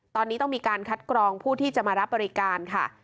ตอนนี้ต้องมีการคัดกรองผู้ที่จะมารับบริการค่ะ